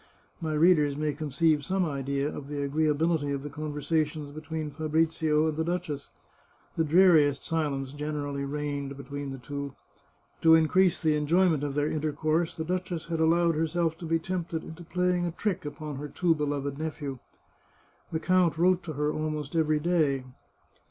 My readers may conceive some idea of the agreeability of the conversations between Fabrizio and the duchess. The dreariest silence generally reigned between the two. To in crease the enjoyment of their intercourse the duchess had allowed herself to be tempted into playing a trick upon her too beloved nephew. The count wrote to her almost every day.